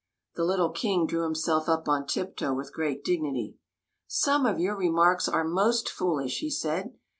" The little King drew himself up on tiptoe with great dignity. " Some of your remarks are most foolish," he said.